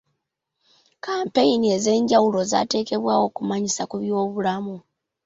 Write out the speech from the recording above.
Kampeyini ez'enjawulo zaateekebwawo okumanyisa ku byobulamu.